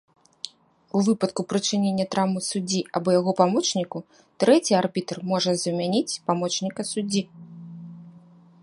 У выпадку прычынення траўмы суддзі або яго памочніку, трэці арбітр можа замяніць памочніка суддзі.